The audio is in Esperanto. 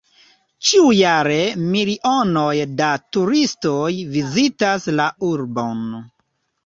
Ĉiujare milionoj da turistoj vizitas la urbon.